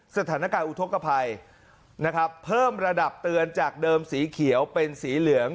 สถานการณ์อุทธกภัยนะครับเพิ่มระดับเตือนจากเดิมสีเขียวเป็นสีเหลือง